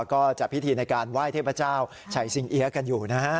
ก็จัดพิธีในการไหว้เทพเจ้าชัยสิงเอี๊ยะกันอยู่นะฮะ